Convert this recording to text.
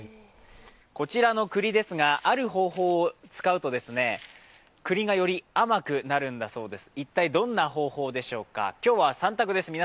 こちらの栗ですがある方法を使うと栗がより甘くなるんだそうです。